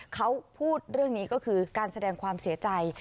เขาพูดเรื่องนี้ก็คือการแสดงความเสียใจ